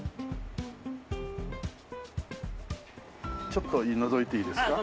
ちょっとのぞいていいですか？